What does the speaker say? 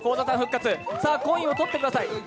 コインを取ってください。